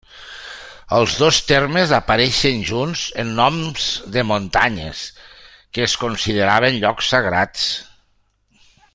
Els dos termes apareixen junts en noms de muntanyes, que es consideraven llocs sagrats.